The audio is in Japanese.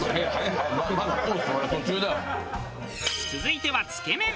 続いてはつけめん。